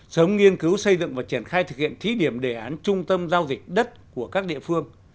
sớm nghiên cứu xây dựng và triển khai thực hiện thí điểm đề án trung tâm giao dịch đất của các địa phương